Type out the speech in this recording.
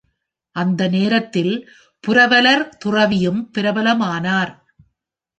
அந்த நேரத்தில் புரவலர் துறவியும் பிரபலமானார்.